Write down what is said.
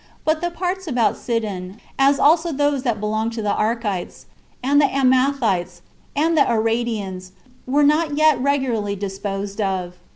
But the parts about Sidon, as also those that belonged to the Arkites, and the Amathites, and the Aradians, were not yet regularly disposed of.